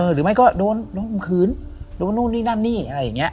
หรือไม่ก็โดนล้มขืนโดนนู่นนี่นั่นนี่อะไรอย่างนี้